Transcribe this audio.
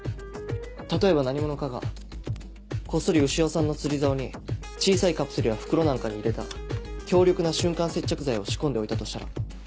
例えば何者かがこっそり潮さんの釣り竿に小さいカプセルや袋なんかに入れた強力な瞬間接着剤を仕込んでおいたとしたら。